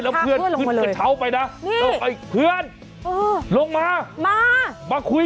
แล้วเพื่อนขึ้นกระเชาไปนะนี่เพื่อนเออลงมามามาคุย